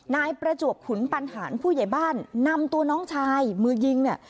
นายประจวบขุนปัญหาผู้ใหญ่บ้านนำตัวน้องชายมือยิงเนี่ย